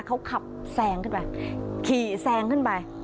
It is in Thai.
เขาขับแซงขึ้นไป